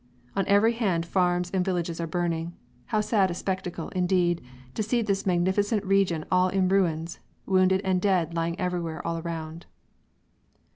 On every hand farms and villages are burning. How sad a spectacle, indeed, to see this magnificent region all in ruins, wounded and dead lying everywhere all round."